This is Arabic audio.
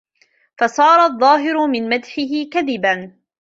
فَصَارَ الظَّاهِرُ مِنْ مَدْحِهِ كَذِبًا